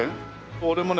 俺もね